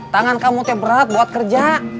tangan kamu teh berat buat kerja